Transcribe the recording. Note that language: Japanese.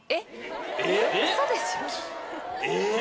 えっ？